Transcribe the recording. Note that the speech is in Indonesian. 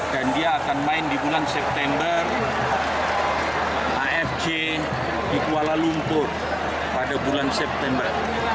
dan dia akan main di bulan september afc di kuala lumpur pada bulan september